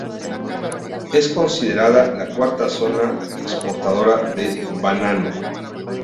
Es considerada la cuarta zona exportadora de banano.